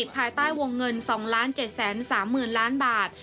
ภายใต้วงเงิน๒๗๓๐๐๐ล้านบาท